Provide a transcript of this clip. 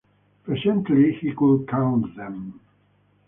Presently he could count them.